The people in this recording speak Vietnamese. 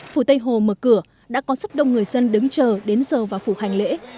phủ tây hồ mở cửa đã có sắp đông người dân đứng chờ đến giờ vào phủ hành lễ